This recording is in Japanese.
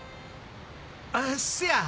あっそや！